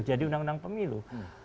jadi undang undang pemilu